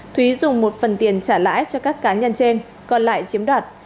thúy dùng một phần tiền trả lãi cho các cá nhân trên còn lại chiếm đoạt